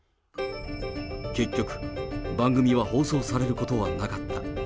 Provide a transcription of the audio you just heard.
結局、番組は放送されることはなかった。